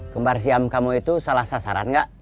kembar siam kamu itu salah sasaran nggak